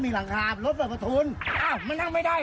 ขี้ใครพูเนี้ย